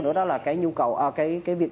nữa đó là cái nhu cầu cái việc